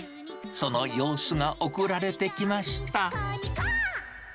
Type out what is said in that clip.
その様子が送られてきました。